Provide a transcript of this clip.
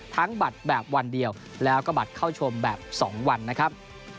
บัตรแบบวันเดียวแล้วก็บัตรเข้าชมแบบ๒วันนะครับ